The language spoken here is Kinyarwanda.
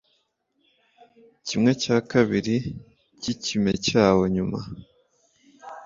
Kimwe cya kabiri cyikime cyabo cyuma